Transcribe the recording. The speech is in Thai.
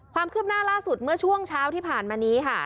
ความคืบหน้าล่าสุดเมื่อช่วงเช้าที่ผ่านมานี้ค่ะ